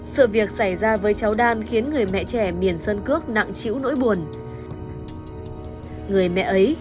sự việc xảy ra với cháu đan khiến người mẹ trẻ miền sơn cước nặng chịu nỗi buồn người mẹ ấy